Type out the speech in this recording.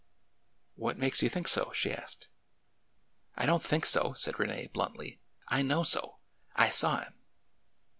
What makes you think so ?" she asked. '' I don't think so," said Rene, bluntly. '' I know so. I saw him."